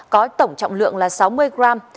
có tổng trọng lượng là sáu mươi gram